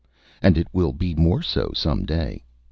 "And it will be more so some day.